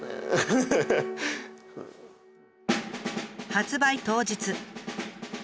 発売当日。